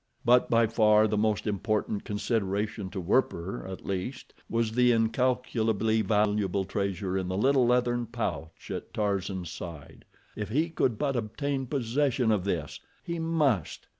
But by far the most important consideration, to Werper, at least, was the incalculably valuable treasure in the little leathern pouch at Tarzan's side. If he could but obtain possession of this! He must!